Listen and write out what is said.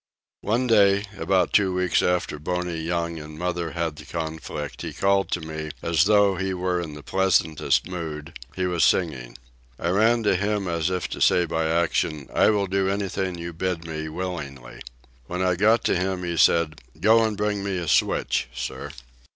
One day, about two weeks after Boney Young and mother had the conflict, he called me to him, as though he were in the pleasantest mood; he was singing. I ran to him as if to say by action, I will do anything you bid me, willingly. When I got to him he said, "Go and bring me a switch, sir."